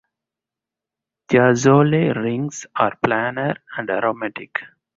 Thiazole rings are planar and aromatic.